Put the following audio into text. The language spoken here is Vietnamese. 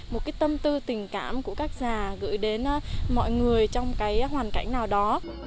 một tâm tư tình cảm của các già gửi đến mọi người trong hoàn cảnh nào đó